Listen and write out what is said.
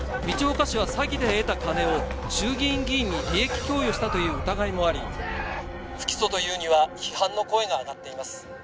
「道岡氏は詐欺で得た金を衆議院議員に利益供与したという疑いもあり不起訴というには批判の声が上がっています」